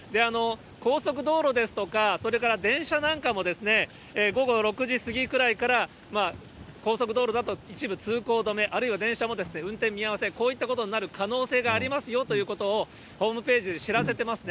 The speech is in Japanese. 高速道路ですとか、それから電車なんかも午後６時過ぎくらいから、高速道路だと一部通行止め、あるいは電車も運転見合わせ、こういったことになる可能性がありますよということを、ホームページで知らせてますね。